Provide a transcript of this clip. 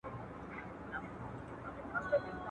کنه دی په پنیر کله اموخته وو.